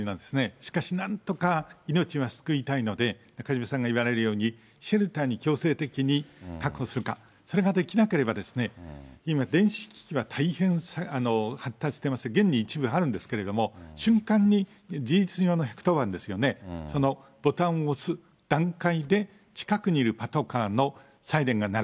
しかしなんとか命は救いたいので、中島さんが言われるように、シェルターに強制的に確保するか、それができなければ、今、電子機器は大変発達しています、現に一部あるんですけれども、瞬間に事実上の１１０番ですよね、そのボタンを押す段階で、近くにいるパトカーのサイレンが鳴る。